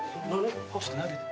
ちょっとなでて。